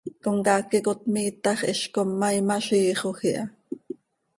Comcaac iicot miitax hizcom, ma imaziixoj iha.